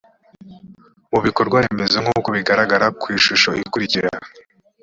mu bikorwaremezo nk uko bigaragara ku ishusho ikurikira